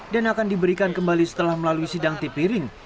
dan akan diberikan kembali setelah melalui sidang tipiring